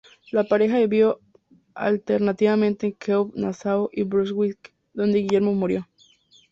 La pareja vivió alternativamente en Kew, Nassau y Brunswick, donde Guillermo murió.